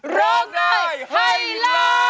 โรงนายให้ร้อน